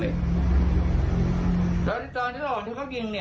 แล้วตอนที่เราออกที่เขายิงนี่